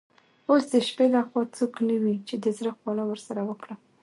اوس د شپې له خوا څوک نه وي چي د زړه خواله ورسره وکړم.